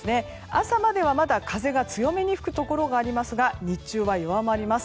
朝まではまだ風が強めに吹くところがありますが日中は弱まります。